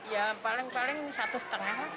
ya paling paling satu setengah